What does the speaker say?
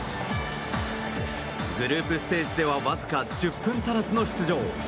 グループステージではわずか１０分足らずの出場。